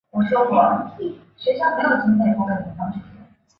一战之后捷克斯洛伐克独立。